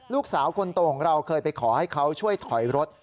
ลูกสาวคนโตของเราเคยไปขอให้เขาช่วยถอยรถ